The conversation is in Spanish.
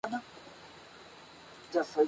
Mientras estudiaba en el St.